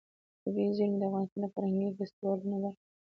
طبیعي زیرمې د افغانستان د فرهنګي فستیوالونو برخه ده.